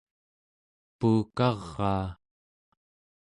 puukaraa